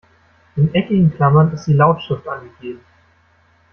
In eckigen Klammern ist die Lautschrift angegeben.